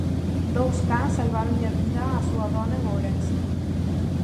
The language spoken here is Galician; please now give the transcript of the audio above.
Dous cans salváronlle a vida á súa dona en Ourense.